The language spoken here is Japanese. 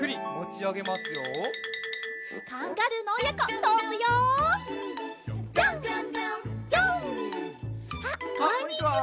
あっこんにちは。